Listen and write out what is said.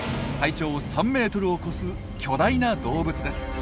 体長３ｍを超す巨大な動物です。